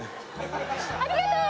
ありがとう！